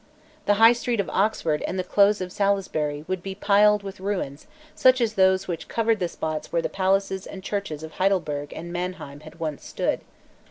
The High Street of Oxford and the close of Salisbury would be piled with ruins such as those which covered the spots where the palaces and churches of Heidelberg and Mannheim had once stood.